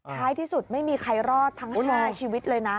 ท้ายที่สุดไม่มีใครรอดทั้ง๕ชีวิตเลยนะ